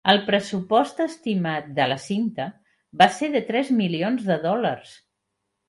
El pressupost estimat de la cinta va ser de tres milions de dòlars.